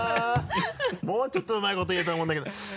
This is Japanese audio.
「もうちょっとうまいこと言えたと思うんだけど」